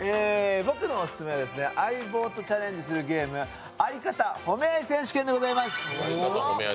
僕のオススメは相棒とチャレンジするゲーム相方褒め合い選手権です！